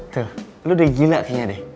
tuh lo udah gila kayaknya deh